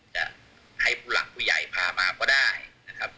จะให้ผู้หลักผู้ใหญ่พามาก็ได้นะครับ